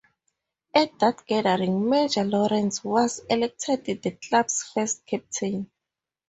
At that gathering Major Lawrence was elected the club's first captain.